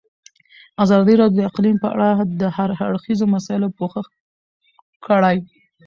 ازادي راډیو د اقلیم په اړه د هر اړخیزو مسایلو پوښښ کړی.